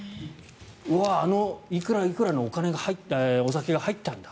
うわ、あのいくらいくらのお酒が入ったんだ。